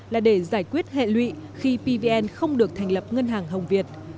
là để giải quyết hệ lụy khi pvn không được thành lập ngân hàng hồng việt